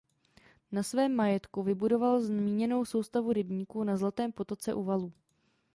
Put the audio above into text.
Na svém majetku vybudoval zmíněnou soustavu rybníků na Zlatém potoce u Valů.